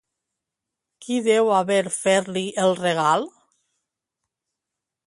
Qui deu haver fer-li el regal?